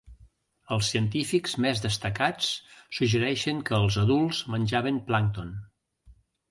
Els científics més destacats suggereixen que els adults menjaven plàncton.